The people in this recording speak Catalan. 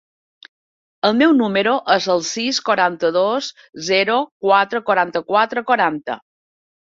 El meu número es el sis, quaranta-dos, zero, quatre, quaranta-quatre, quaranta.